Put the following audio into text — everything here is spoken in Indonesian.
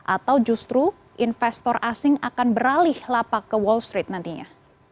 atau justru investor asing akan beralih lapak ke wall street nantinya